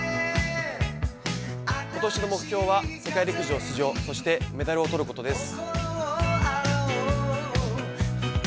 今年の目標は世界陸上出場、そしてメダルを取ることです。